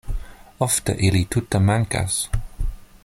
Ofte ili tute mankas.